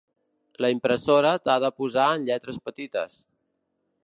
La impressora t'ha de posar en lletres petites.